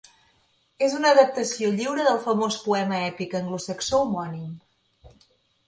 És una adaptació lliure del famós poema èpic anglosaxó homònim.